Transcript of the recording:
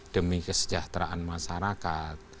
demi kesejahteraan masyarakat